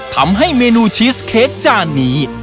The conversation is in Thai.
ทำให้เมนูชีสเค้กจานนี้